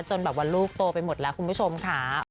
จนแบบว่าลูกโตไปหมดแล้วคุณผู้ชมค่ะ